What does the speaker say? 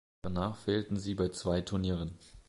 Danach fehlten sie bei zwei Turnieren.